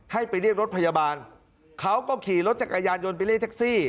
ให้ไปเรียกรถพยาบาลเขาก็ขี่รถจักรยานยนต์ไปเรียกแท็กซี่